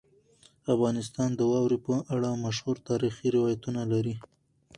افغانستان د واورې په اړه مشهور تاریخي روایتونه لري.